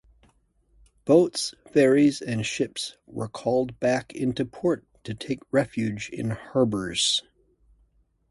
Boats, ferries, and ships were called back into port to take refuge in harbors.